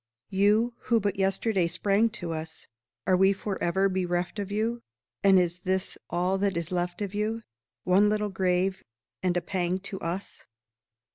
You who but yesterday sprang to us, Are we forever bereft of you? And is this all that is left of you One little grave, and a pang to us?